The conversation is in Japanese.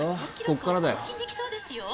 ここからだよ